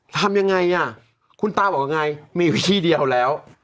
ทำยังไงอ่ะคุณตาบอกว่าไงมีวิธีเดียวแล้ว